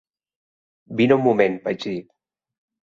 "Vine un moment", vaig dir.